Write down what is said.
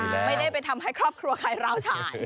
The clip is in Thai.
ไม่ได้ไปทำให้ครอบครัวใครร้าวฉาย